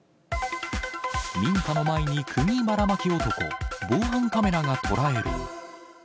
民家の前にくぎばらまき男、防犯カメラが捉える。